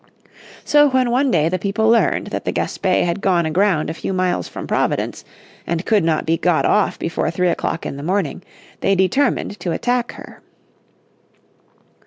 So when one day the people learned that the Gaspé had gone aground a few miles from Providence, and could not be got off before three o'clock in the morning, they determined to attack her.